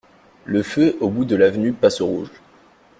Le feu au bout de l’avenue passe au rouge.